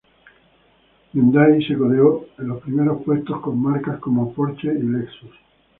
Hyundai se codeó en los primeros puestos con marcas como Porsche y Lexus.